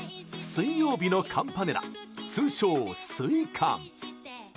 水曜日のカンパネラ通称・水カン。